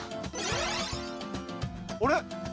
あれ？